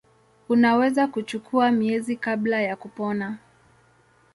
Unaweza kuchukua miezi kabla ya kupona.